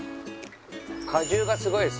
果汁がすごいです。